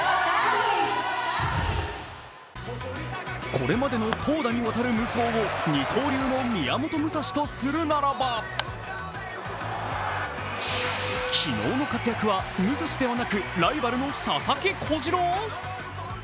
これまでの投打にわたる無双を二刀流の宮本武蔵とするならば、昨日の活躍は武蔵ではなくライバルの佐々木小次郎！？